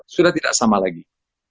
sudah tidak sama lagi